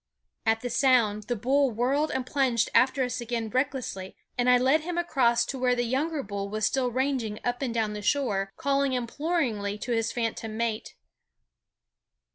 At the sound the bull whirled and plunged after us again recklessly, and I led him across to where the younger bull was still ranging up and down the shore, calling imploringly to his phantom mate.